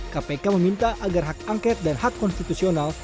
kpk meminta agar hak angket dan hak konstitusional